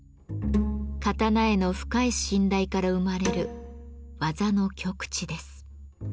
刀への深い信頼から生まれる技の極致です。